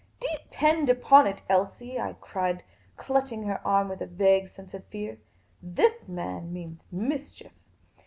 " Depend upon it, Elsie," I cried, clutching her arm with a vague sense of fear, " this man means mischief.